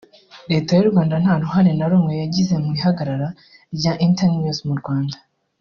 Leta y’u Rwanda nta ruhare na rumwe yagize mu ihagarara rya Internews mu Rwanda